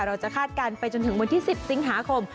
เราจะคาดการณ์ไปจนถึงวันที่สิบสิงหาคม